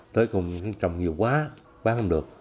tới cùng trồng nhiều quá bán không được